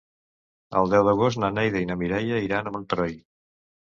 El deu d'agost na Neida i na Mireia iran a Montroi.